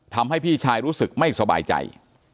ทำให้พี่ชายรู้สึกไม่สบายใจ